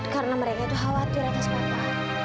karena mereka itu khawatir atas papa